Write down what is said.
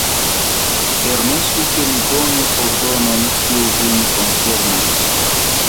Permesu, ke mi donu ordonon, kiu vin koncernas.